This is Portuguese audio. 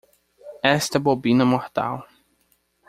Esta bobina mortal